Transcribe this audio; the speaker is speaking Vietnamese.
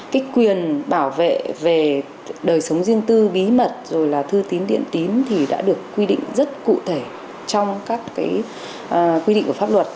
cái quyền bảo vệ về đời sống riêng tư bí mật rồi là thư tín điện tín thì đã được quy định rất cụ thể trong các quy định của pháp luật